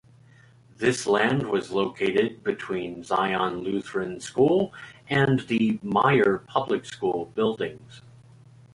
This land was located between Zion Lutheran School, and the Mayer Public School buildings.